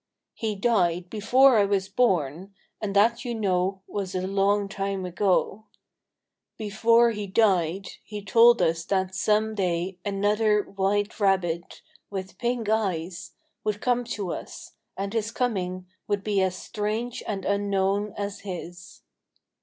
He died before I was born, and that you know was a long time ago. Before he died he told us that some day another white rabbit, with pink eyes, would come to us, and his coming would be as strange and unknown as his."